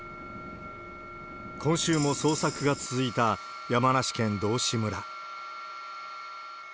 今週も捜索が続いた、山梨県道志村。